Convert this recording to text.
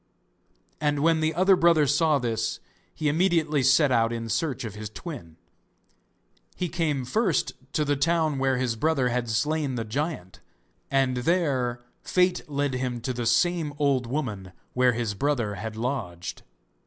And when the other brother saw this, he immediately set out in search of his twin. He came first to the town where his brother had slain the giant, and there fate led him to the same old woman where his brother had lodged.